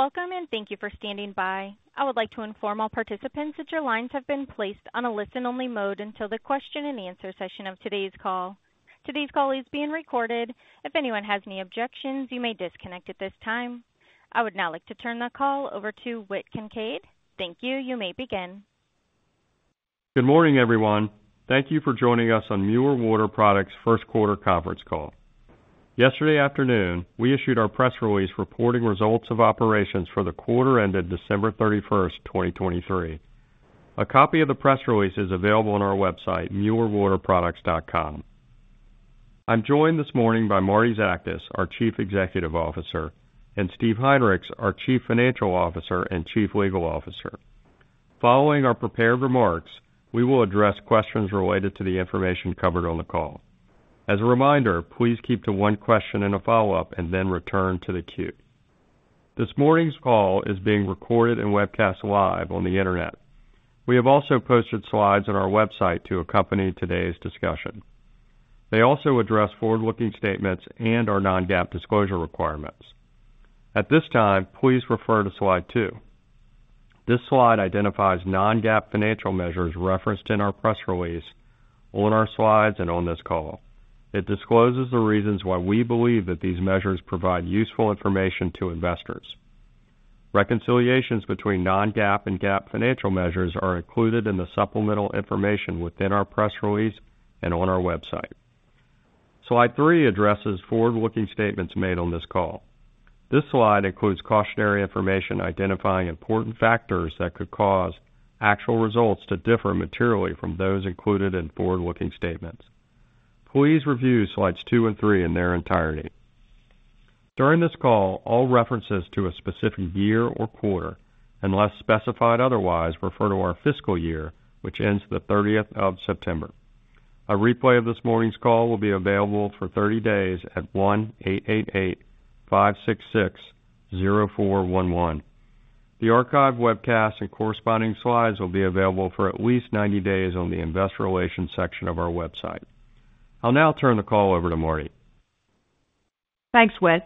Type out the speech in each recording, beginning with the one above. Welcome and thank you for standing by. I would like to inform all participants that your lines have been placed on a listen-only mode until the question-and-answer session of today's call. Today's call is being recorded. If anyone has any objections, you may disconnect at this time. I would now like to turn the call over to Whit Kincaid. Thank you. You may begin. Good morning, everyone. Thank you for joining us on Mueller Water Products' first-quarter conference call. Yesterday afternoon, we issued our press release reporting results of operations for the quarter ended December 31st, 2023. A copy of the press release is available on our website, muellerwaterproducts.com. I'm joined this morning by Martie Zakas, our Chief Executive Officer, and Steve Heinrichs, our Chief Financial Officer and Chief Legal Officer. Following our prepared remarks, we will address questions related to the information covered on the call. As a reminder, please keep to one question and a follow-up, and then return to the cue. This morning's call is being recorded and webcast live on the internet. We have also posted slides on our website to accompany today's discussion. They also address forward-looking statements and our non-GAAP disclosure requirements. At this time, please refer to slide two. This slide identifies non-GAAP financial measures referenced in our press release, on our slides, and on this call. It discloses the reasons why we believe that these measures provide useful information to investors. Reconciliations between non-GAAP and GAAP financial measures are included in the supplemental information within our press release and on our website. Slide three addresses forward-looking statements made on this call. This slide includes cautionary information identifying important factors that could cause actual results to differ materially from those included in forward-looking statements. Please review slides two and three in their entirety. During this call, all references to a specific year or quarter, unless specified otherwise, refer to our fiscal year, which ends the 30th of September. A replay of this morning's call will be available for 30 days at 1-888-566-0411. The archived webcast and corresponding slides will be available for at least 90 days on the Investor Relations section of our website. I'll now turn the call over to Martie. Thanks, Whit.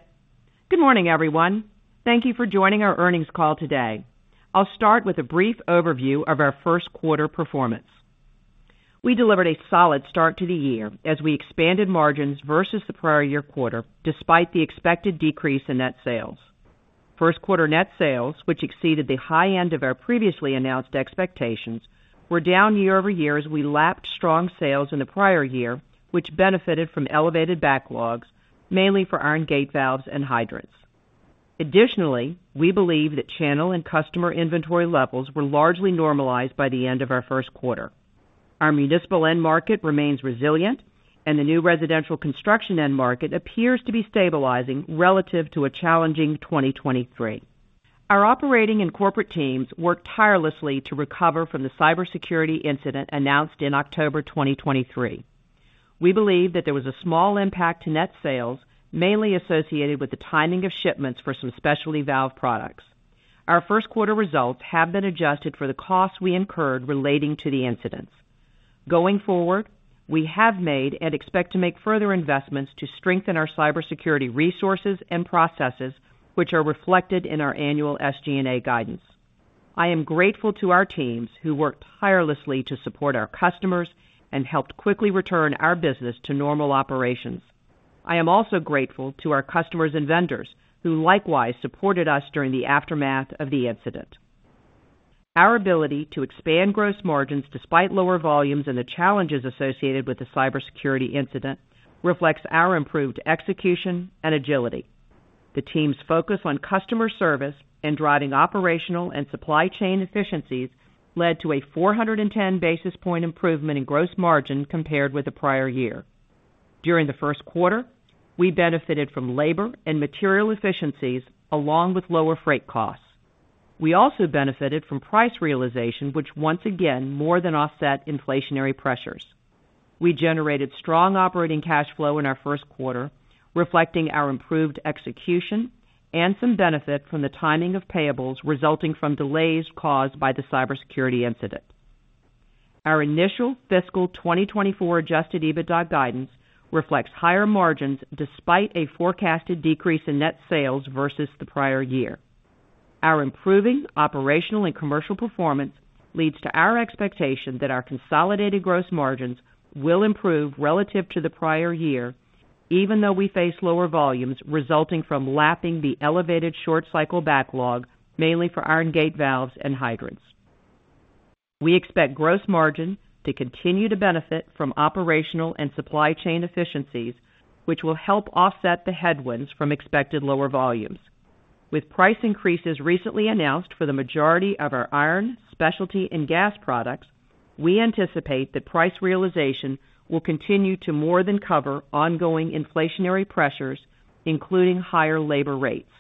Good morning, everyone. Thank you for joining our earnings call today. I'll start with a brief overview of our first-quarter performance. We delivered a solid start to the year as we expanded margins versus the prior-year quarter despite the expected decrease in net sales. First-quarter net sales, which exceeded the high end of our previously announced expectations, were down year-over-year as we lapped strong sales in the prior year, which benefited from elevated backlogs, mainly for iron gate valves and hydrants. Additionally, we believe that channel and customer inventory levels were largely normalized by the end of our first quarter. Our municipal end market remains resilient, and the new residential construction end market appears to be stabilizing relative to a challenging 2023. Our operating and corporate teams worked tirelessly to recover from the cybersecurity incident announced in October 2023. We believe that there was a small impact to net sales, mainly associated with the timing of shipments for some specialty valve products. Our first-quarter results have been adjusted for the costs we incurred relating to the incidents. Going forward, we have made and expect to make further investments to strengthen our cybersecurity resources and processes, which are reflected in our annual SG&A guidance. I am grateful to our teams who worked tirelessly to support our customers and helped quickly return our business to normal operations. I am also grateful to our customers and vendors who likewise supported us during the aftermath of the incident. Our ability to expand gross margins despite lower volumes and the challenges associated with the cybersecurity incident reflects our improved execution and agility. The team's focus on customer service and driving operational and supply chain efficiencies led to a 410 basis points improvement in gross margin compared with the prior year. During the first quarter, we benefited from labor and material efficiencies along with lower freight costs. We also benefited from price realization, which once again more than offset inflationary pressures. We generated strong operating cash flow in our first quarter, reflecting our improved execution and some benefit from the timing of payables resulting from delays caused by the cybersecurity incident. Our initial fiscal 2024 Adjusted EBITDA guidance reflects higher margins despite a forecasted decrease in net sales versus the prior year. Our improving operational and commercial performance leads to our expectation that our consolidated gross margins will improve relative to the prior year, even though we face lower volumes resulting from lapping the elevated short-cycle backlog, mainly for iron gate valves and hydrants. We expect gross margin to continue to benefit from operational and supply chain efficiencies, which will help offset the headwinds from expected lower volumes. With price increases recently announced for the majority of our iron, specialty, and gas products, we anticipate that price realization will continue to more than cover ongoing inflationary pressures, including higher labor rates.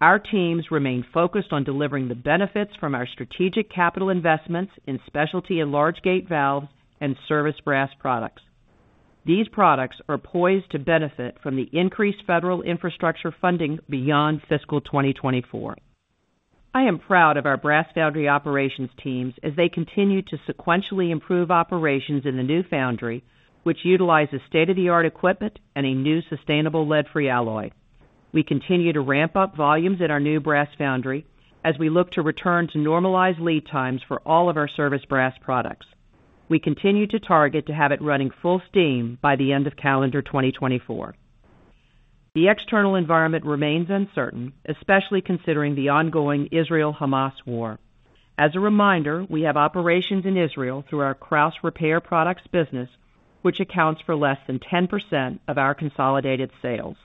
Our teams remain focused on delivering the benefits from our strategic capital investments in specialty and large gate valves and service brass products. These products are poised to benefit from the increased federal infrastructure funding beyond fiscal 2024. I am proud of our brass foundry operations teams as they continue to sequentially improve operations in the new foundry, which utilizes state-of-the-art equipment and a new sustainable lead-free alloy. We continue to ramp up volumes in our new brass foundry as we look to return to normalized lead times for all of our service brass products. We continue to target to have it running full steam by the end of calendar 2024. The external environment remains uncertain, especially considering the ongoing Israel-Hamas war. As a reminder, we have operations in Israel through our Krausz repair products business, which accounts for less than 10% of our consolidated sales.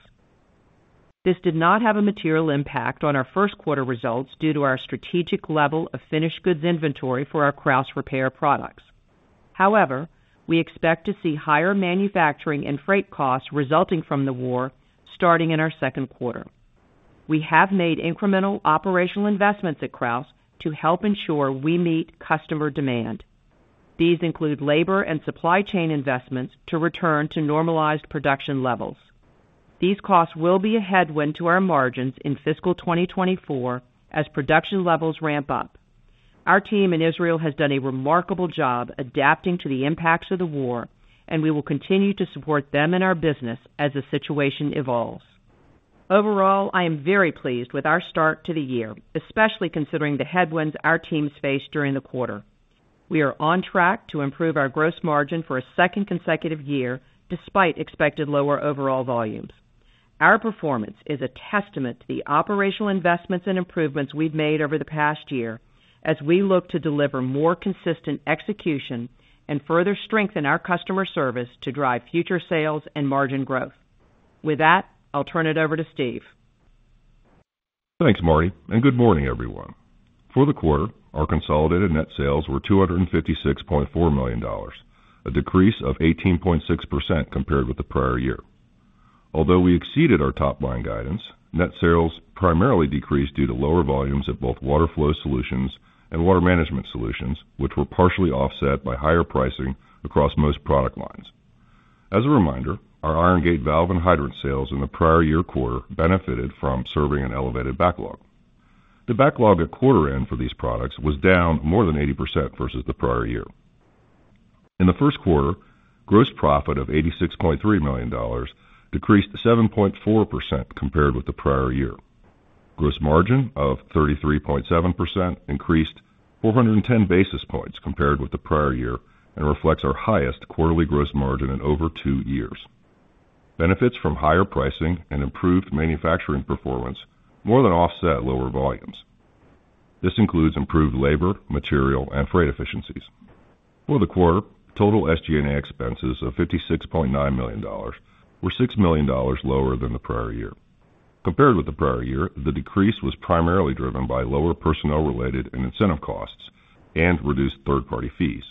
This did not have a material impact on our first-quarter results due to our strategic level of finished goods inventory for our Krausz repair products. However, we expect to see higher manufacturing and freight costs resulting from the war starting in our second quarter. We have made incremental operational investments at Krausz to help ensure we meet customer demand. These include labor and supply chain investments to return to normalized production levels. These costs will be a headwind to our margins in fiscal 2024 as production levels ramp up. Our team in Israel has done a remarkable job adapting to the impacts of the war, and we will continue to support them in our business as the situation evolves. Overall, I am very pleased with our start to the year, especially considering the headwinds our teams faced during the quarter. We are on track to improve our gross margin for a second consecutive year despite expected lower overall volumes. Our performance is a testament to the operational investments and improvements we've made over the past year as we look to deliver more consistent execution and further strengthen our customer service to drive future sales and margin growth. With that, I'll turn it over to Steve. Thanks, Martie, and good morning, everyone. For the quarter, our consolidated net sales were $256.4 million, a decrease of 18.6% compared with the prior year. Although we exceeded our top-line guidance, net sales primarily decreased due to lower volumes at both Water Flow Solutions and Water Management Solutions, which were partially offset by higher pricing across most product lines. As a reminder, our iron gate valve and hydrant sales in the prior year quarter benefited from serving an elevated backlog. The backlog at quarter end for these products was down more than 80% versus the prior year. In the first quarter, gross profit of $86.3 million decreased 7.4% compared with the prior year. Gross margin of 33.7% increased 410 basis points compared with the prior year and reflects our highest quarterly gross margin in over two years. Benefits from higher pricing and improved manufacturing performance more than offset lower volumes. This includes improved labor, material, and freight efficiencies. For the quarter, total SG&A expenses of $56.9 million were $6 million lower than the prior year. Compared with the prior year, the decrease was primarily driven by lower personnel-related and incentive costs and reduced third-party fees,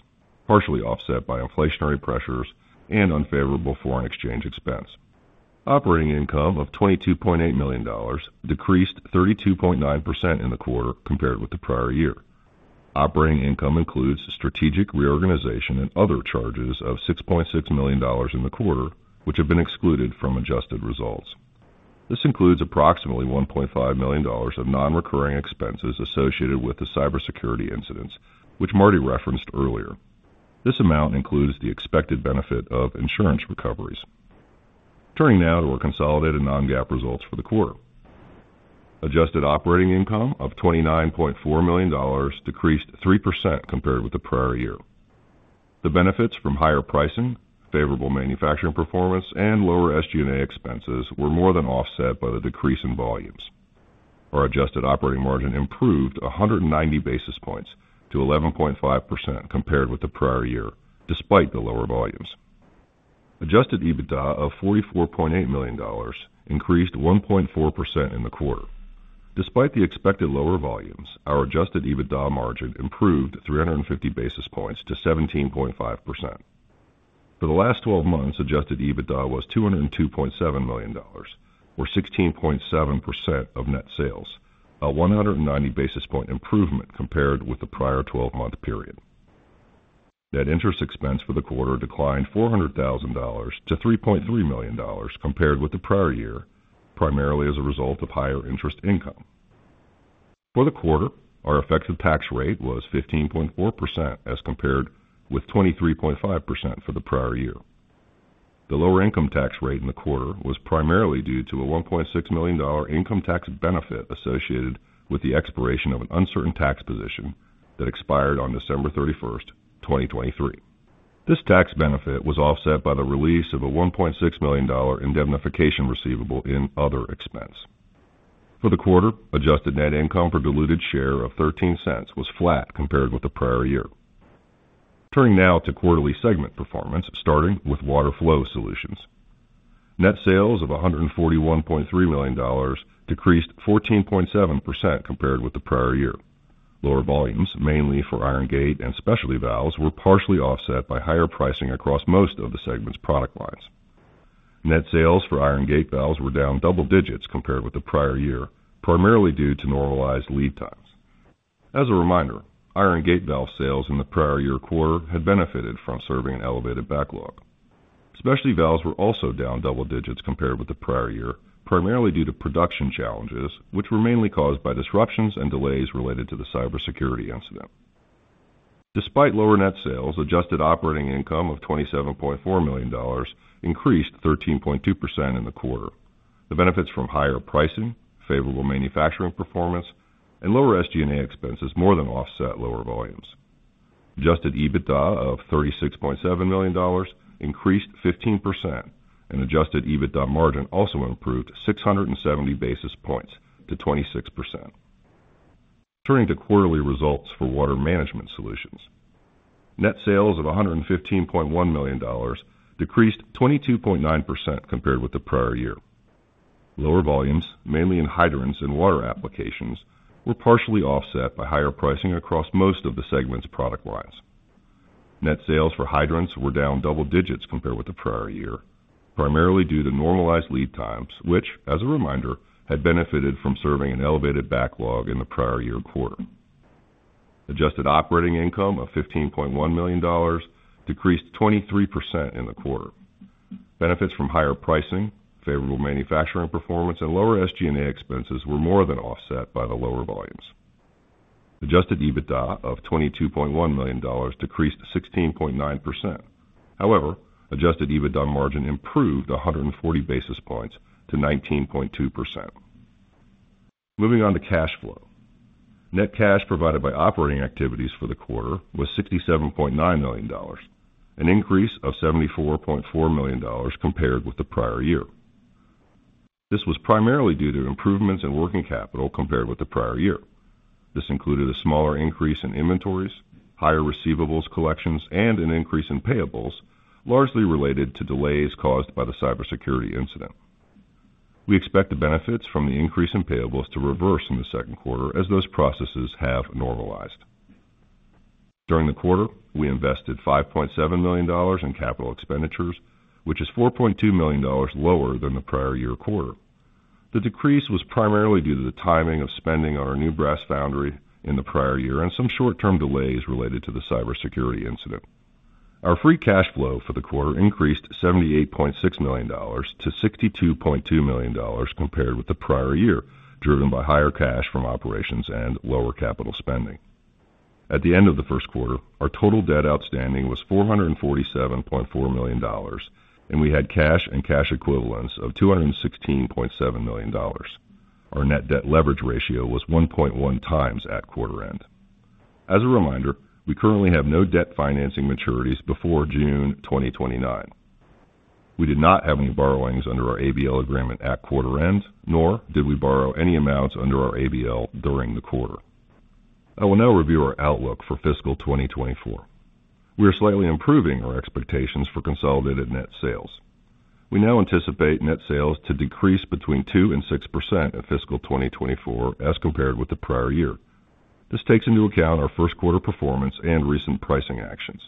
partially offset by inflationary pressures and unfavorable foreign exchange expense. Operating income of $22.8 million decreased 32.9% in the quarter compared with the prior year. Operating income includes strategic reorganization and other charges of $6.6 million in the quarter, which have been excluded from adjusted results. This includes approximately $1.5 million of non-recurring expenses associated with the cybersecurity incidents, which Martie referenced earlier. This amount includes the expected benefit of insurance recoveries. Turning now to our consolidated non-GAAP results for the quarter. Adjusted operating income of $29.4 million decreased 3% compared with the prior year. The benefits from higher pricing, favorable manufacturing performance, and lower SG&A expenses were more than offset by the decrease in volumes. Our adjusted operating margin improved 190 basis points to 11.5% compared with the prior year despite the lower volumes. Adjusted EBITDA of $44.8 million increased 1.4% in the quarter. Despite the expected lower volumes, our adjusted EBITDA margin improved 350 basis points to 17.5%. For the last 12 months, adjusted EBITDA was $202.7 million, or 16.7% of net sales, a 190 basis point improvement compared with the prior 12-month period. Net interest expense for the quarter declined $400,000 to $3.3 million compared with the prior year, primarily as a result of higher interest income. For the quarter, our effective tax rate was 15.4% as compared with 23.5% for the prior year. The lower income tax rate in the quarter was primarily due to a $1.6 million income tax benefit associated with the expiration of an uncertain tax position that expired on December 31st, 2023. This tax benefit was offset by the release of a $1.6 million indemnification receivable in other expense. For the quarter, adjusted net income per diluted share of $0.13 was flat compared with the prior year. Turning now to quarterly segment performance starting with water flow solutions. Net sales of $141.3 million decreased 14.7% compared with the prior year. Lower volumes, mainly for iron gate and specialty valves, were partially offset by higher pricing across most of the segment's product lines. Net sales for iron gate valves were down double digits compared with the prior year, primarily due to normalized lead times. As a reminder, iron gate valve sales in the prior year quarter had benefited from serving an elevated backlog. Specialty valves were also down double digits compared with the prior year, primarily due to production challenges, which were mainly caused by disruptions and delays related to the cybersecurity incident. Despite lower net sales, adjusted operating income of $27.4 million increased 13.2% in the quarter. The benefits from higher pricing, favorable manufacturing performance, and lower SG&A expenses more than offset lower volumes. Adjusted EBITDA of $36.7 million increased 15%, and adjusted EBITDA margin also improved 670 basis points to 26%. Turning to quarterly results for water management solutions. Net sales of $115.1 million decreased 22.9% compared with the prior year. Lower volumes, mainly in hydrants and water applications, were partially offset by higher pricing across most of the segment's product lines. Net sales for hydrants were down double digits compared with the prior year, primarily due to normalized lead times, which, as a reminder, had benefited from serving an elevated backlog in the prior year quarter. Adjusted operating income of $15.1 million decreased 23% in the quarter. Benefits from higher pricing, favorable manufacturing performance, and lower SG&A expenses were more than offset by the lower volumes. Adjusted EBITDA of $22.1 million decreased 16.9%. However, adjusted EBITDA margin improved 140 basis points to 19.2%. Moving on to cash flow. Net cash provided by operating activities for the quarter was $67.9 million, an increase of $74.4 million compared with the prior year. This was primarily due to improvements in working capital compared with the prior year. This included a smaller increase in inventories, higher receivables collections, and an increase in payables, largely related to delays caused by the cybersecurity incident. We expect the benefits from the increase in payables to reverse in the second quarter as those processes have normalized. During the quarter, we invested $5.7 million in capital expenditures, which is $4.2 million lower than the prior year quarter. The decrease was primarily due to the timing of spending on our new brass foundry in the prior year and some short-term delays related to the cybersecurity incident. Our free cash flow for the quarter increased $78.6 million to $62.2 million compared with the prior year, driven by higher cash from operations and lower capital spending. At the end of the first quarter, our total debt outstanding was $447.4 million, and we had cash and cash equivalents of $216.7 million. Our net debt leverage ratio was 1.1x at quarter end. As a reminder, we currently have no debt financing maturities before June 2029. We did not have any borrowings under our ABL agreement at quarter end, nor did we borrow any amounts under our ABL during the quarter. I will now review our outlook for fiscal 2024. We are slightly improving our expectations for consolidated net sales. We now anticipate net sales to decrease between 2%-6% in fiscal 2024 as compared with the prior year. This takes into account our first quarter performance and recent pricing actions.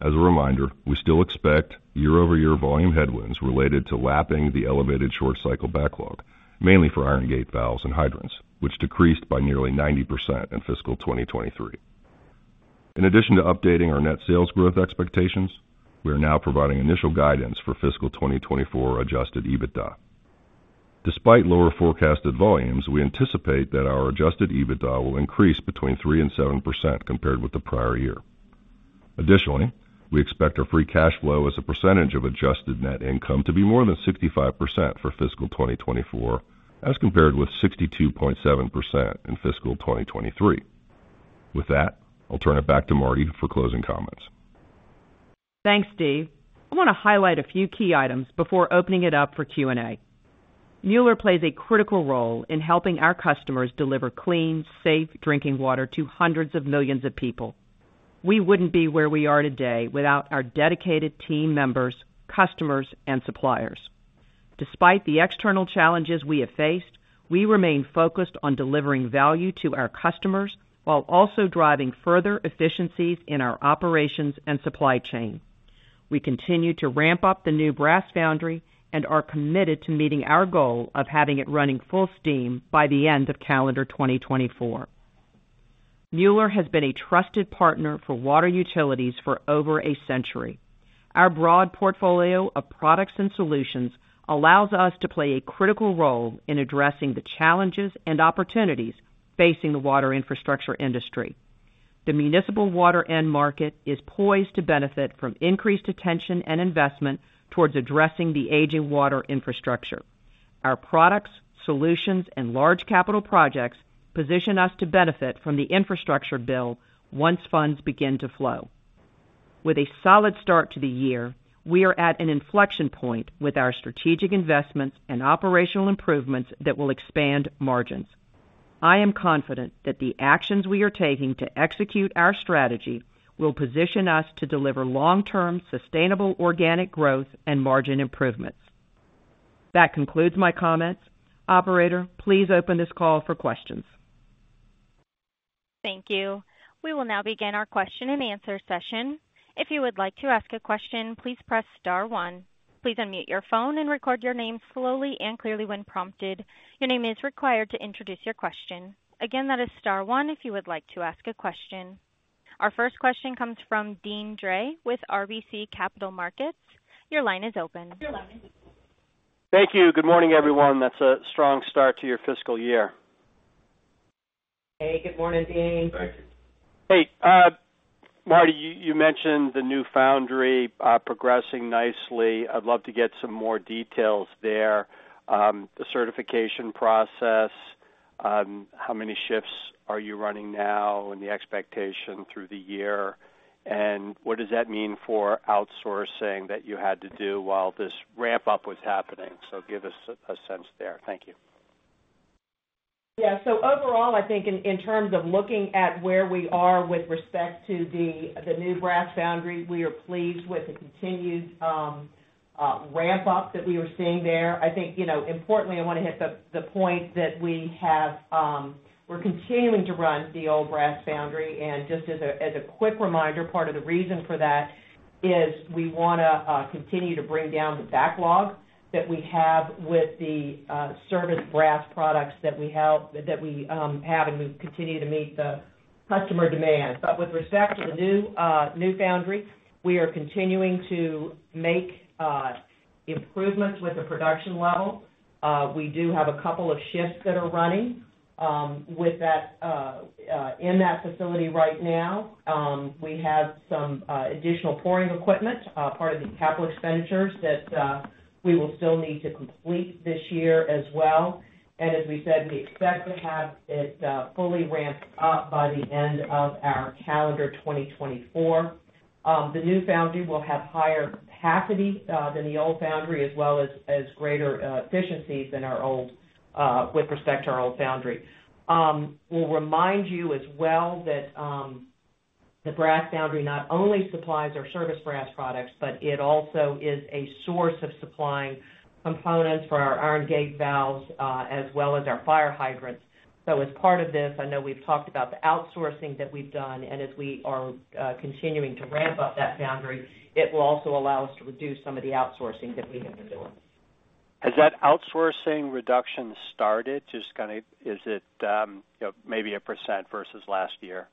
As a reminder, we still expect year-over-year volume headwinds related to lapping the elevated short-cycle backlog, mainly for iron gate valves and hydrants, which decreased by nearly 90% in fiscal 2023. In addition to updating our net sales growth expectations, we are now providing initial guidance for fiscal 2024 Adjusted EBITDA. Despite lower forecasted volumes, we anticipate that our Adjusted EBITDA will increase between 3%-7% compared with the prior year. Additionally, we expect our free cash flow as a percentage of adjusted net income to be more than 65% for fiscal 2024 as compared with 62.7% in fiscal 2023. With that, I'll turn it back to Martie for closing comments. Thanks, Steve. I want to highlight a few key items before opening it up for Q&A. Mueller plays a critical role in helping our customers deliver clean, safe drinking water to hundreds of millions of people. We wouldn't be where we are today without our dedicated team members, customers, and suppliers. Despite the external challenges we have faced, we remain focused on delivering value to our customers while also driving further efficiencies in our operations and supply chain. We continue to ramp up the new brass foundry and are committed to meeting our goal of having it running full steam by the end of calendar 2024. Mueller has been a trusted partner for water utilities for over a century. Our broad portfolio of products and solutions allows us to play a critical role in addressing the challenges and opportunities facing the water infrastructure industry. The municipal water end market is poised to benefit from increased attention and investment towards addressing the aging water infrastructure. Our products, solutions, and large-capital projects position us to benefit from the infrastructure bill once funds begin to flow. With a solid start to the year, we are at an inflection point with our strategic investments and operational improvements that will expand margins. I am confident that the actions we are taking to execute our strategy will position us to deliver long-term, sustainable organic growth and margin improvements. That concludes my comments. Operator, please open this call for questions. Thank you. We will now begin our question-and-answer session. If you would like to ask a question, please press star one. Please unmute your phone and record your name slowly and clearly when prompted. Your name is required to introduce your question. Again, that is star one if you would like to ask a question. Our first question comes from Deane Dray with RBC Capital Markets. Your line is open. Thank you. Good morning, everyone. That's a strong start to your fiscal year. Hey. Good morning, Deane. Thank you. Hey. Martie, you mentioned the new foundry progressing nicely. I'd love to get some more details there. The certification process, how many shifts are you running now and the expectation through the year? And what does that mean for outsourcing that you had to do while this ramp-up was happening? So give us a sense there. Thank you. Yeah. So overall, I think in terms of looking at where we are with respect to the new brass foundry, we are pleased with the continued ramp-up that we were seeing there. I think importantly, I want to hit the point that we're continuing to run the old brass foundry. And just as a quick reminder, part of the reason for that is we want to continue to bring down the backlog that we have with the service brass products that we have and we continue to meet the customer demand. But with respect to the new foundry, we are continuing to make improvements with the production level. We do have a couple of shifts that are running in that facility right now. We have some additional pouring equipment, part of the capital expenditures that we will still need to complete this year as well. As we said, we expect to have it fully ramped up by the end of our calendar 2024. The new foundry will have higher capacity than the old foundry as well as greater efficiencies with respect to our old foundry. We'll remind you as well that the brass foundry not only supplies our service brass products, but it also is a source of supplying components for our iron gate valves as well as our fire hydrants. As part of this, I know we've talked about the outsourcing that we've done. As we are continuing to ramp up that foundry, it will also allow us to reduce some of the outsourcing that we have been doing. Has that outsourcing reduction started? Just kind of is it maybe 1% versus last year?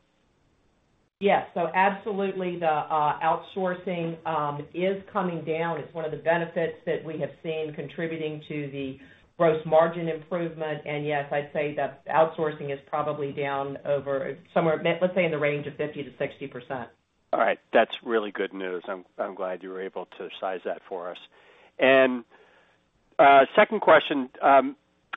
Yes. So absolutely, the outsourcing is coming down. It's one of the benefits that we have seen contributing to the gross margin improvement. And yes, I'd say that outsourcing is probably down over somewhere, let's say, in the range of 50%-60%. All right. That's really good news. I'm glad you were able to size that for us. And second question,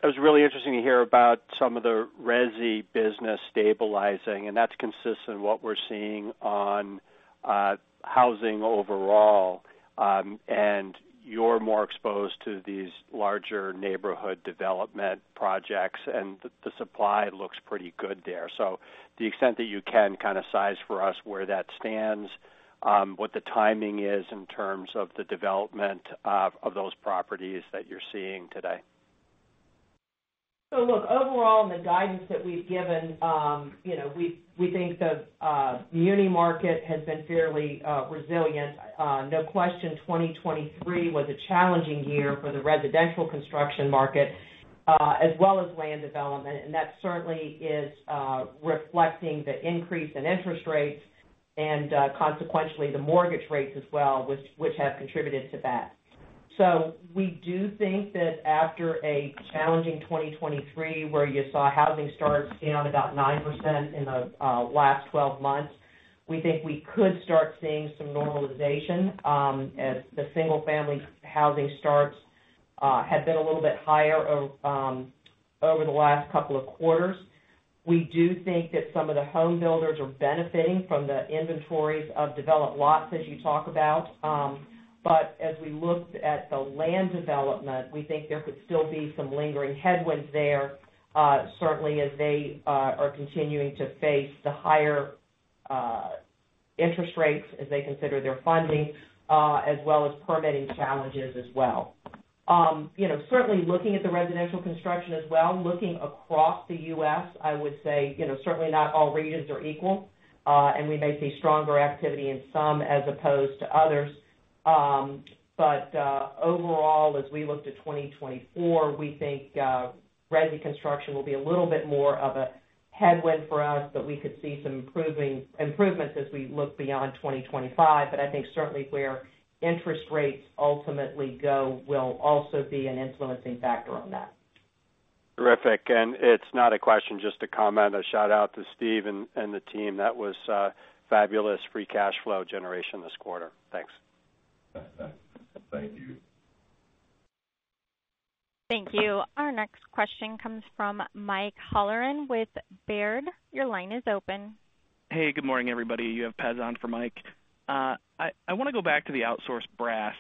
it was really interesting to hear about some of the resi business stabilizing. And that's consistent with what we're seeing on housing overall. And you're more exposed to these larger neighborhood development projects, and the supply looks pretty good there. So to the extent that you can kind of size for us where that stands, what the timing is in terms of the development of those properties that you're seeing today. So look, overall, in the guidance that we've given, we think the muni market has been fairly resilient. No question, 2023 was a challenging year for the residential construction market as well as land development. That certainly is reflecting the increase in interest rates and consequently, the mortgage rates as well, which have contributed to that. So we do think that after a challenging 2023 where you saw housing starts down about 9% in the last 12 months, we think we could start seeing some normalization as the single-family housing starts have been a little bit higher over the last couple of quarters. We do think that some of the home builders are benefiting from the inventories of developed lots, as you talk about. But as we looked at the land development, we think there could still be some lingering headwinds there, certainly as they are continuing to face the higher interest rates as they consider their funding, as well as permitting challenges as well. Certainly, looking at the residential construction as well, looking across the U.S., I would say certainly not all regions are equal. We may see stronger activity in some as opposed to others. But overall, as we look to 2024, we think resi construction will be a little bit more of a headwind for us, but we could see some improvements as we look beyond 2025. But I think certainly where interest rates ultimately go will also be an influencing factor on that. Terrific. It's not a question, just a comment. A shout-out to Steve and the team. That was fabulous free cash flow generation this quarter. Thanks. Thank you. Thank you. Our next question comes from Mike Halloran with Baird. Your line is open. Hey. Good morning, everybody. You have Pez on for Mike. I want to go back to the outsourced brass.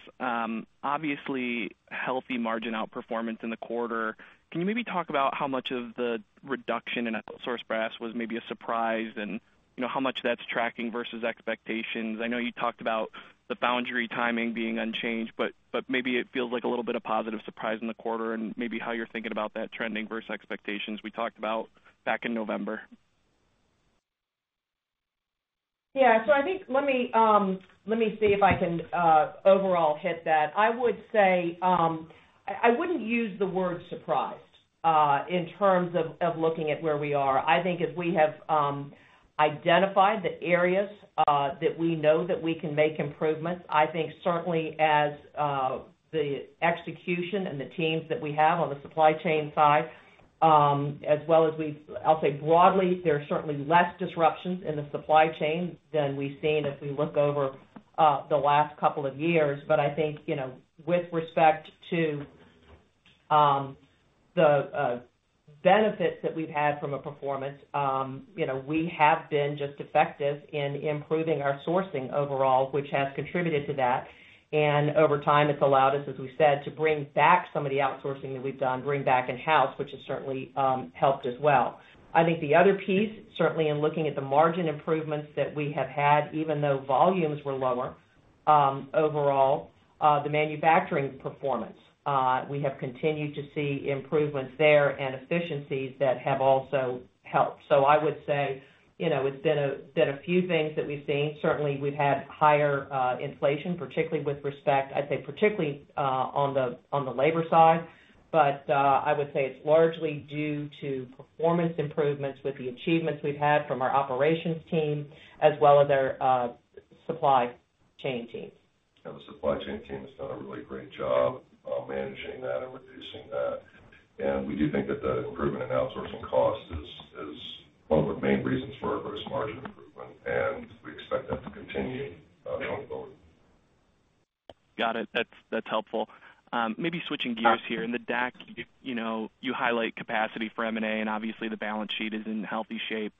Obviously, healthy margin outperformance in the quarter. Can you maybe talk about how much of the reduction in outsourced brass was maybe a surprise and how much that's tracking versus expectations? I know you talked about the foundry timing being unchanged, but maybe it feels like a little bit of positive surprise in the quarter and maybe how you're thinking about that trending versus expectations we talked about back in November? Yeah. So I think let me see if I can overall hit that. I wouldn't use the word surprised in terms of looking at where we are. I think as we have identified the areas that we know that we can make improvements, I think certainly as the execution and the teams that we have on the supply chain side, as well as I'll say broadly, there are certainly less disruptions in the supply chain than we've seen if we look over the last couple of years. But I think with respect to the benefits that we've had from a performance, we have been just effective in improving our sourcing overall, which has contributed to that. And over time, it's allowed us, as we said, to bring back some of the outsourcing that we've done, bring back in-house, which has certainly helped as well. I think the other piece, certainly in looking at the margin improvements that we have had, even though volumes were lower overall, the manufacturing performance, we have continued to see improvements there and efficiencies that have also helped. So I would say it's been a few things that we've seen. Certainly, we've had higher inflation, particularly with respect, I'd say particularly on the labor side. But I would say it's largely due to performance improvements with the achievements we've had from our operations team as well as our supply chain team. Yeah. The supply chain team has done a really great job managing that and reducing that. And we do think that the improvement in outsourcing cost is one of the main reasons for our gross margin improvement. And we expect that to continue going forward. Got it. That's helpful. Maybe switching gears here. In the DAC, you highlight capacity for M&A, and obviously, the balance sheet is in healthy shape.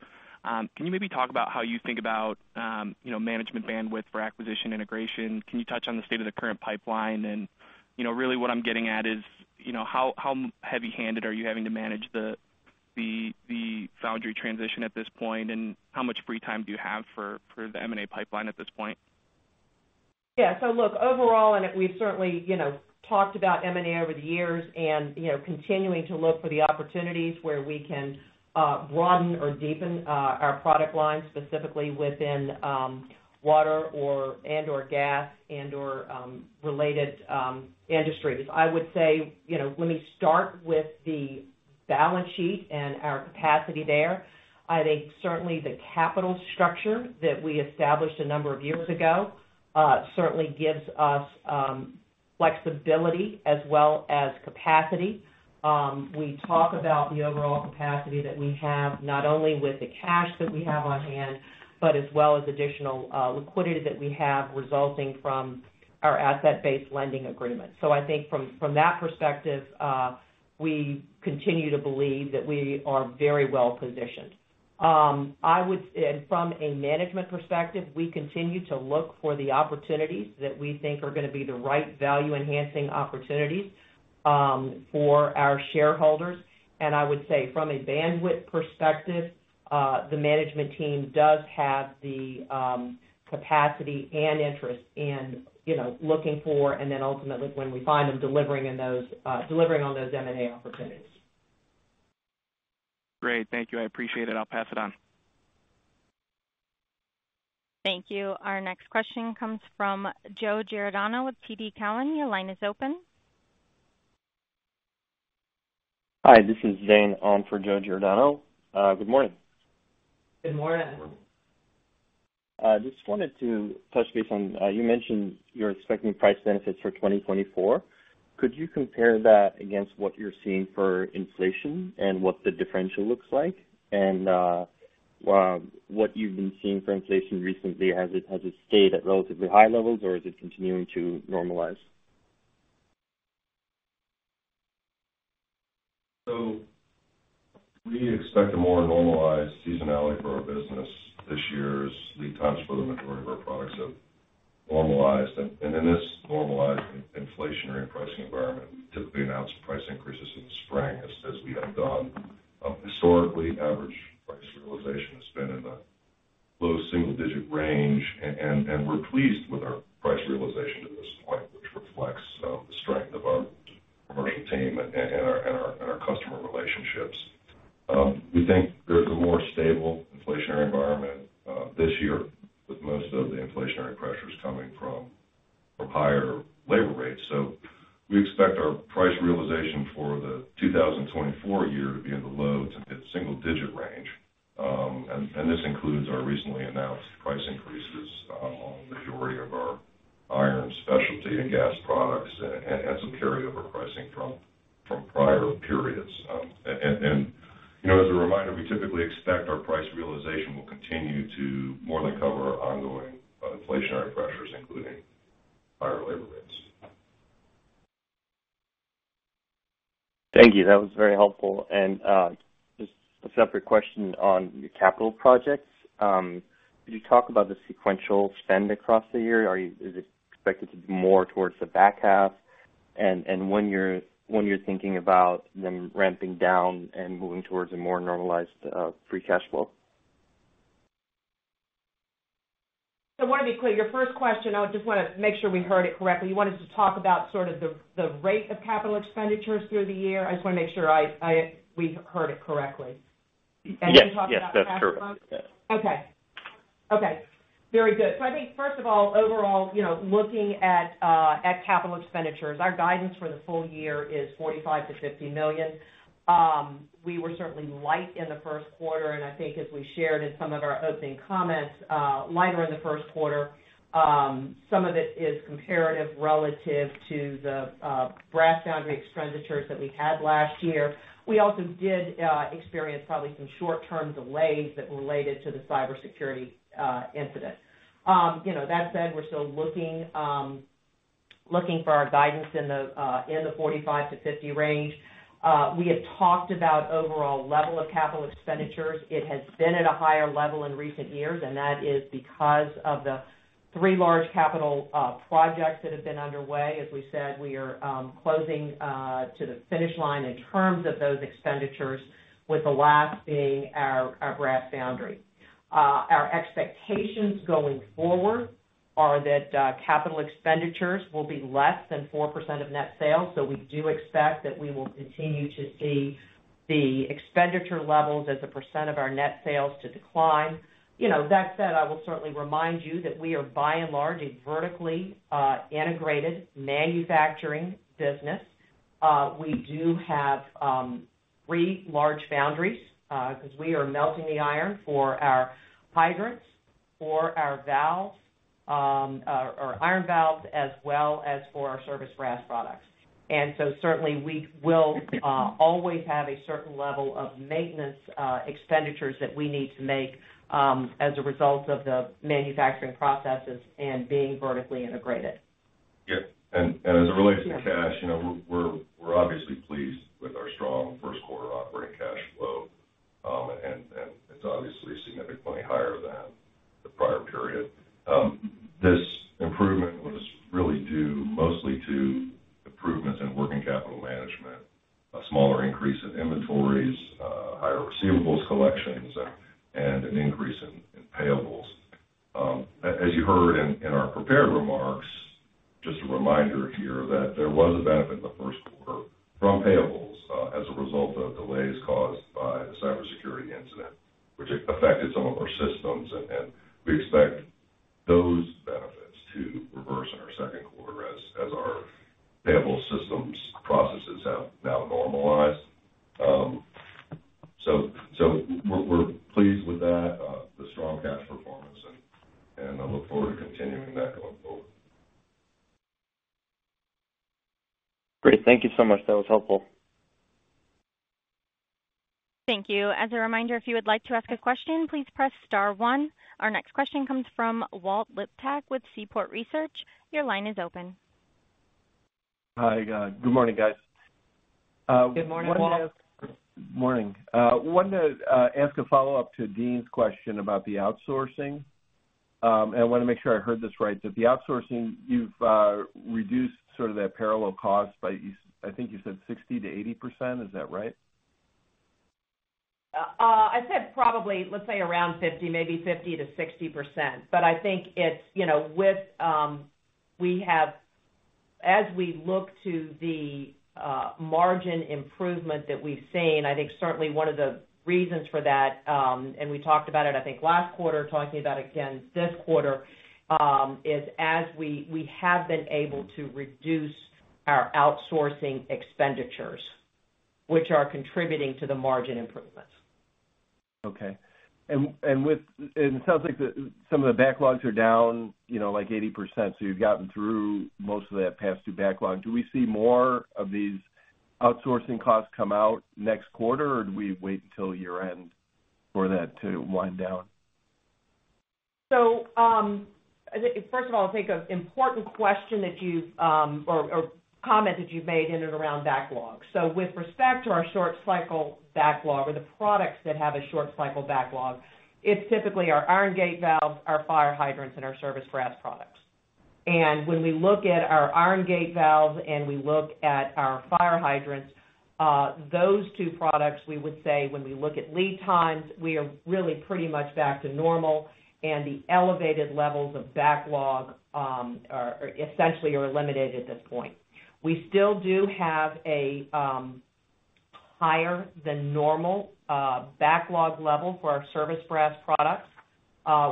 Can you maybe talk about how you think about management bandwidth for acquisition integration? Can you touch on the state of the current pipeline? And really, what I'm getting at is how heavy-handed are you having to manage the foundry transition at this point? And how much free time do you have for the M&A pipeline at this point? Yeah. So look, overall, and we've certainly talked about M&A over the years and continuing to look for the opportunities where we can broaden or deepen our product line, specifically within water and/or gas and/or related industries. I would say, let me start with the balance sheet and our capacity there. I think certainly the capital structure that we established a number of years ago certainly gives us flexibility as well as capacity. We talk about the overall capacity that we have not only with the cash that we have on hand but as well as additional liquidity that we have resulting from our asset-based lending agreement. So I think from that perspective, we continue to believe that we are very well positioned. From a management perspective, we continue to look for the opportunities that we think are going to be the right value-enhancing opportunities for our shareholders. I would say from a bandwidth perspective, the management team does have the capacity and interest in looking for and then ultimately, when we find them, delivering on those M&A opportunities. Great. Thank you. I appreciate it. I'll pass it on. Thank you. Our next question comes from Joe Giordano with TD Cowen. Your line is open. Hi. This is Zane on for Joe Giordano. Good morning. Good morning. Good morning. I just wanted to touch base on you mentioned you're expecting price benefits for 2024. Could you compare that against what you're seeing for inflation and what the differential looks like? And what you've been seeing for inflation recently, has it stayed at relatively high levels, or is it continuing to normalize? We expect a more normalized seasonality for our business. This year's lead times for the majority of our products have normalized. In this normalized inflationary pricing environment, we typically announce price increases in the spring as we have done. Historically, average price realization has been in the low single-digit range. We're pleased with our price realization to this point, which reflects the strength of our commercial team and our customer relationships. We think there's a more stable inflationary environment this year with most of the inflationary pressures coming from higher labor rates. We expect our price realization for the 2024 year to be in the low to mid-single-digit range. This includes our recently announced price increases on the majority of our iron, specialty, and gas products and some carryover pricing from prior periods. As a reminder, we typically expect our price realization will continue to more than cover ongoing inflationary pressures, including higher labor rates. Thank you. That was very helpful. Just a separate question on your capital projects. Could you talk about the sequential spend across the year? Is it expected to be more towards the back half? When you're thinking about them ramping down and moving towards a more normalized free cash flow? I want to be clear. Your first question, I just want to make sure we heard it correctly. You wanted to talk about sort of the rate of capital expenditures through the year. I just want to make sure we heard it correctly. Can you talk about capital? Yes. Yes. That's correct. Okay. Okay. Very good. So I think first of all, overall, looking at capital expenditures, our guidance for the full year is $45 million-$50 million. We were certainly light in the first quarter. And I think as we shared in some of our opening comments, lighter in the first quarter, some of it is comparative relative to the brass foundry expenditures that we had last year. We also did experience probably some short-term delays that were related to the cybersecurity incident. That said, we're still looking for our guidance in the $45 million-$50 million range. We have talked about overall level of capital expenditures. It has been at a higher level in recent years, and that is because of the three large capital projects that have been underway. As we said, we are closing to the finish line in terms of those expenditures, with the last being our brass foundry. Our expectations going forward are that capital expenditures will be less than 4% of net sales. So we do expect that we will continue to see the expenditure levels as a % of our net sales to decline. That said, I will certainly remind you that we are, by and large, a vertically integrated manufacturing business. We do have three large foundries because we are melting the iron for our hydrants, for our valves, our iron valves, as well as for our service brass products. And so certainly, we will always have a certain level of maintenance expenditures that we need to make as a result of the manufacturing processes and being vertically integrated. Yep. As it relates to cash, we're obviously pleased with our strong first-quarter operating cash flow. It's obviously significantly higher than the prior period. This improvement was really due mostly to improvements in working capital management, a smaller increase in inventories, higher receivables collections, and an increase in payables. As you heard in our prepared remarks, just a reminder here that there was a benefit in the first quarter from payables as a result of delays caused by the cybersecurity incident, which affected some of our systems. We expect those benefits to reverse in our second quarter as our payable systems processes have now normalized. So we're pleased with that, the strong cash performance. I look forward to continuing that going forward. Great. Thank you so much. That was helpful. Thank you. As a reminder, if you would like to ask a question, please press star one. Our next question comes from Walt Liptak with Seaport Research. Your line is open. Hi. Good morning, guys. Good morning, Walt. Morning. I wanted to ask a follow-up to Dean's question about the outsourcing. I want to make sure I heard this right. So with the outsourcing, you've reduced sort of that parallel cost by, I think you said, 60%-80%. Is that right? I said probably, let's say, around 50, maybe 50%-60%. But I think it's with we have as we look to the margin improvement that we've seen, I think certainly one of the reasons for that, and we talked about it, I think, last quarter, talking about it again this quarter, is we have been able to reduce our outsourcing expenditures, which are contributing to the margin improvements. Okay. And it sounds like some of the backlogs are down like 80%. So you've gotten through most of that past-due backlog. Do we see more of these outsourcing costs come out next quarter, or do we wait until year-end for that to wind down? So first of all, I think an important question that you've or comment that you've made in and around backlog. So with respect to our short-cycle backlog or the products that have a short-cycle backlog, it's typically our iron gate valves, our fire hydrants, and our service brass products. And when we look at our iron gate valves and we look at our fire hydrants, those two products, we would say when we look at lead times, we are really pretty much back to normal. And the elevated levels of backlog essentially are eliminated at this point. We still do have a higher-than-normal backlog level for our service brass products.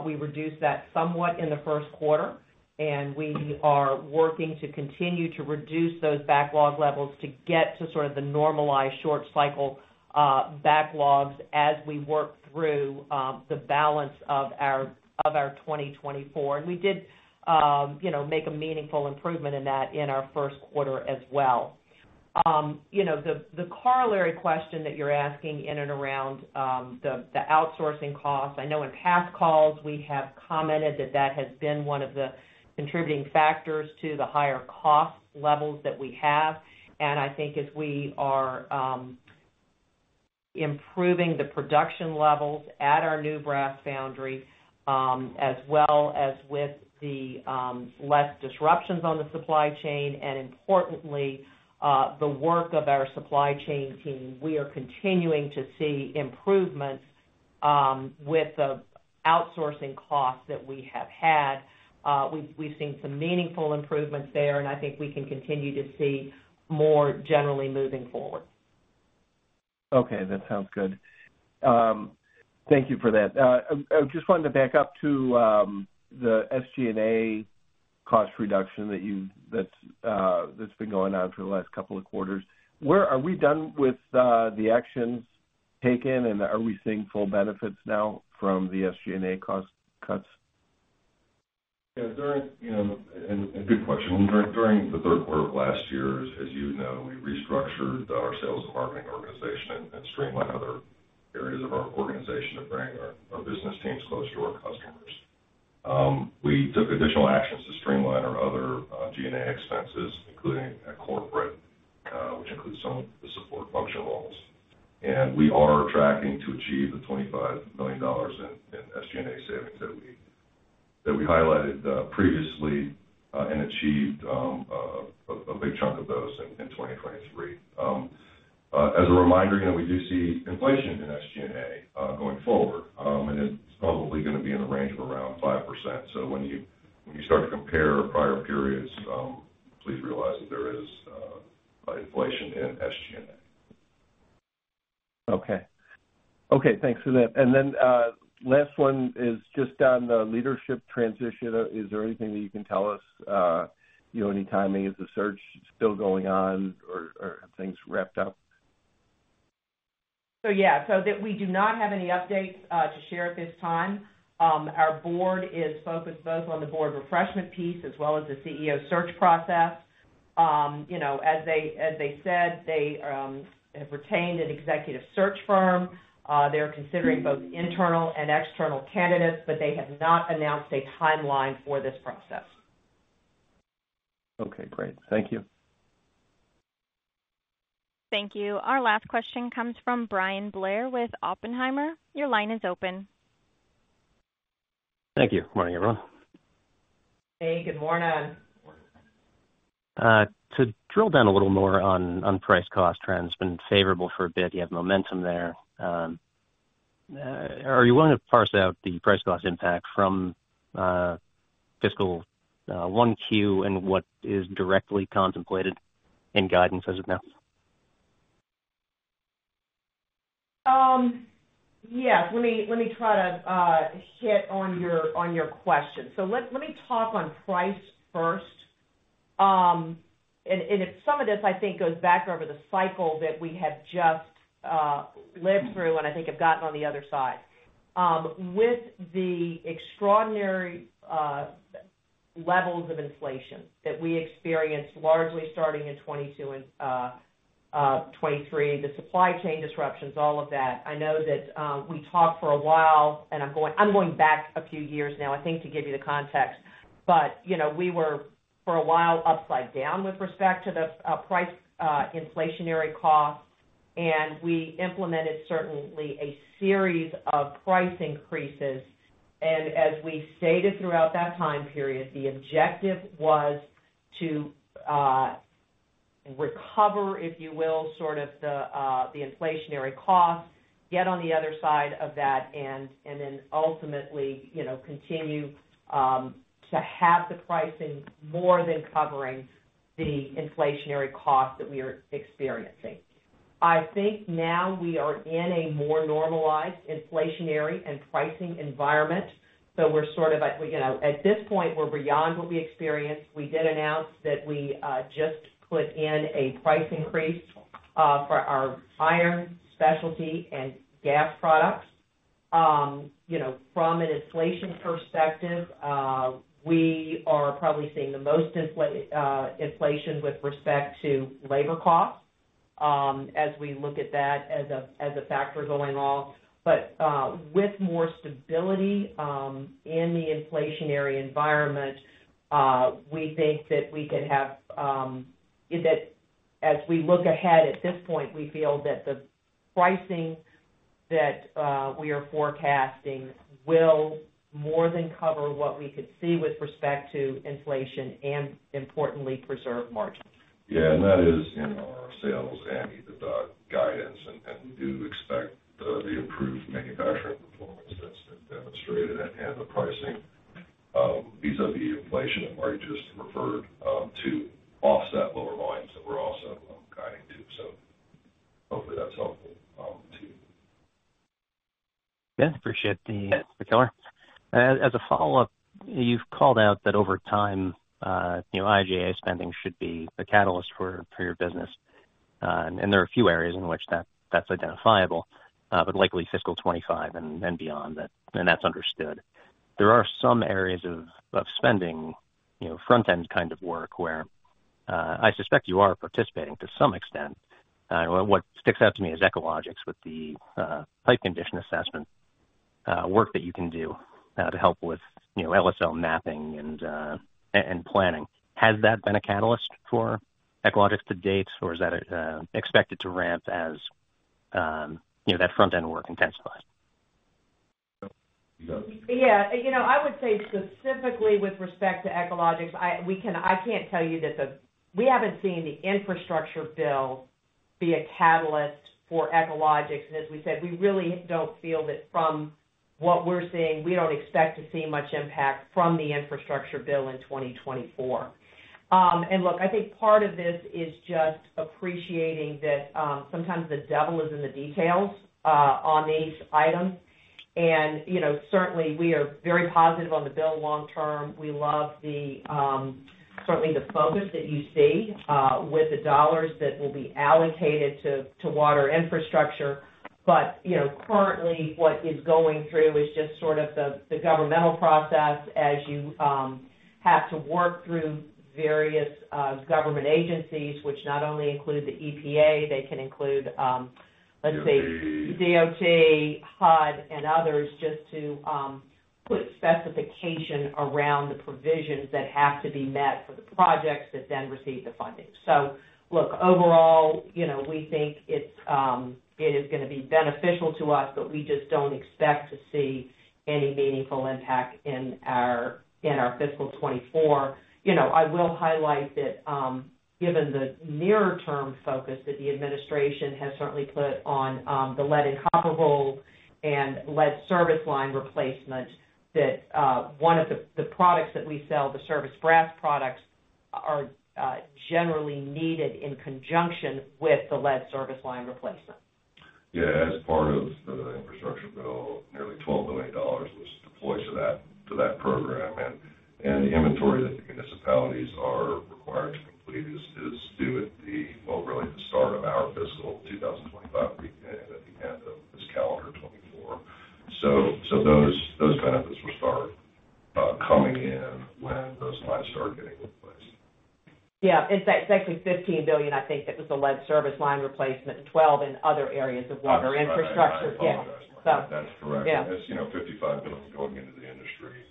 We reduced that somewhat in the first quarter. And we are working to continue to reduce those backlog levels to get to sort of the normalized short-cycle backlogs as we work through the balance of our 2024. We did make a meaningful improvement in that in our first quarter as well. The corollary question that you're asking in and around the outsourcing costs, I know in past calls, we have commented that that has been one of the contributing factors to the higher cost levels that we have. I think as we are improving the production levels at our new brass foundry as well as with the less disruptions on the supply chain and, importantly, the work of our supply chain team, we are continuing to see improvements with the outsourcing costs that we have had. We've seen some meaningful improvements there. I think we can continue to see more generally moving forward. Okay. That sounds good. Thank you for that. I just wanted to back up to the SG&A cost reduction that's been going on for the last couple of quarters. Are we done with the actions taken, and are we seeing full benefits now from the SG&A cost cuts? Yeah. And good question. During the third quarter of last year, as you know, we restructured our sales department organization and streamlined other areas of our organization to bring our business teams closer to our customers. We took additional actions to streamline our other G&A expenses, including at corporate, which includes some of the support function roles. And we are tracking to achieve the $25 million in SG&A savings that we highlighted previously and achieved a big chunk of those in 2023. As a reminder, we do see inflation in SG&A going forward. And it's probably going to be in the range of around 5%. So when you start to compare prior periods, please realize that there is inflation in SG&A. Okay. Okay. Thanks for that. And then last one is just on the leadership transition. Is there anything that you can tell us? Any timing? Is the search still going on, or have things wrapped up? So yeah. We do not have any updates to share at this time. Our board is focused both on the board refreshment piece as well as the CEO search process. As they said, they have retained an executive search firm. They're considering both internal and external candidates, but they have not announced a timeline for this process. Okay. Great. Thank you. Thank you. Our last question comes from Bryan Blair with Oppenheimer. Your line is open. Thank you. Good morning, everyone. Hey. Good morning. To drill down a little more on price-cost trends, it's been favorable for a bit. You have momentum there. Are you willing to parse out the price-cost impact from fiscal 1Q and what is directly contemplated in guidance as of now? Yes. Let me try to hit on your question. So let me talk on price first. And some of this, I think, goes back over the cycle that we have just lived through, and I think have gotten on the other side. With the extraordinary levels of inflation that we experienced largely starting in 2022 and 2023, the supply chain disruptions, all of that, I know that we talked for a while and I'm going back a few years now, I think, to give you the context. But we were, for a while, upside down with respect to the price inflationary costs. And we implemented, certainly, a series of price increases. And as we stated throughout that time period, the objective was to recover, if you will, sort of the inflationary costs, get on the other side of that, and then ultimately continue to have the pricing more than covering the inflationary costs that we are experiencing. I think now we are in a more normalized inflationary and pricing environment. So we're sort of at this point, we're beyond what we experienced. We did announce that we just put in a price increase for our iron specialty and gas products. From an inflation perspective, we are probably seeing the most inflation with respect to labor costs as we look at that as a factor going on. But with more stability in the inflationary environment, we think that we can have that as we look ahead. At this point, we feel that the pricing that we are forecasting will more than cover what we could see with respect to inflation and, importantly, preserve margins. Yeah. That is in our sales and guidance. We do expect the improved manufacturing performance that's been demonstrated and the pricing vis-à-vis inflation that Marietta just referred to offset lower volumes that we're also guiding to. Hopefully, that's helpful to you. Yeah. Appreciate the color. As a follow-up, you've called out that over time, IIJA spending should be a catalyst for your business. And there are a few areas in which that's identifiable, but likely fiscal 2025 and beyond, and that's understood. There are some areas of spending, front-end kind of work, where I suspect you are participating to some extent. What sticks out to me is Echologics with the pipe condition assessment work that you can do to help with LSL mapping and planning. Has that been a catalyst for Echologics to date, or is that expected to ramp as that front-end work intensifies? Yeah. I would say specifically with respect to Echologics, I can't tell you that we haven't seen the infrastructure bill be a catalyst for Echologics. And as we said, we really don't feel that from what we're seeing, we don't expect to see much impact from the infrastructure bill in 2024. And look, I think part of this is just appreciating that sometimes the devil is in the details on these items. And certainly, we are very positive on the bill long term. We love certainly the focus that you see with the dollars that will be allocated to water infrastructure. But currently, what is going through is just sort of the governmental process as you have to work through various government agencies, which not only include the EPA, they can include, let's say, DOT, HUD, and others just to put specification around the provisions that have to be met for the projects that then receive the funding. So look, overall, we think it is going to be beneficial to us, but we just don't expect to see any meaningful impact in our fiscal 2024. I will highlight that given the nearer-term focus that the administration has certainly put on the lead and copper and lead service line replacement, that one of the products that we sell, the service brass products, are generally needed in conjunction with the lead service line replacement. Yeah. As part of the infrastructure bill, nearly $12 million was deployed to that program. And the inventory that the municipalities are required to complete is due at the well, really, the start of our fiscal 2025 at the end of this calendar 2024. So those benefits will start coming in when those lines start getting replaced. Yeah. It's actually $15 billion, I think, that was the Lead Service Line replacement and $12 billion in other areas of water infrastructure. Yeah. That's correct. As $55 billion going into the industry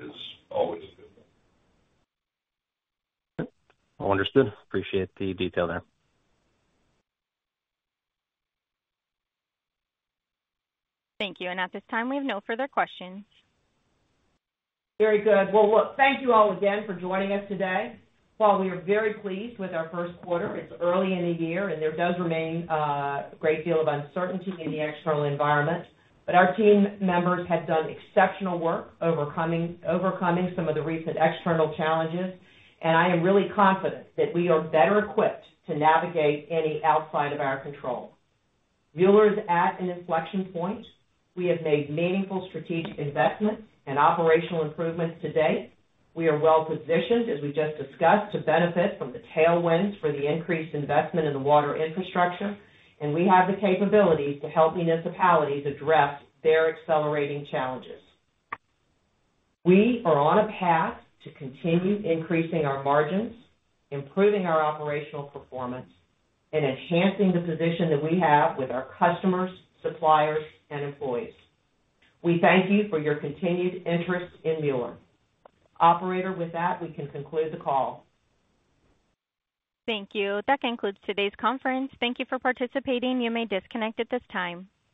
is always a good bill. All understood. Appreciate the detail there. Thank you. At this time, we have no further questions. Very good. Well, look, thank you all again for joining us today. While we are very pleased with our first quarter, it's early in the year, and there does remain a great deal of uncertainty in the external environment. But our team members have done exceptional work overcoming some of the recent external challenges. And I am really confident that we are better equipped to navigate any outside of our control. Mueller is at an inflection point. We have made meaningful strategic investments and operational improvements today. We are well-positioned, as we just discussed, to benefit from the tailwinds for the increased investment in the water infrastructure. And we have the capabilities to help municipalities address their accelerating challenges. We are on a path to continue increasing our margins, improving our operational performance, and enhancing the position that we have with our customers, suppliers, and employees. We thank you for your continued interest in Mueller. Operator, with that, we can conclude the call. Thank you. That concludes today's conference. Thank you for participating. You may disconnect at this time.